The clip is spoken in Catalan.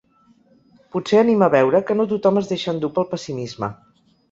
Potser anima veure que no tothom es deixa endur pel pessimisme.